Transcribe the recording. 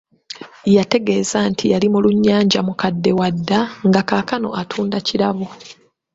Yantegeeza nti yali mulunnyanja mukadde wa dda, nga kaakano atunda kirabo.